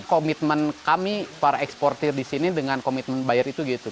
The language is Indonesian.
komitmen kami para eksportir di sini dengan komitmen buyer itu gitu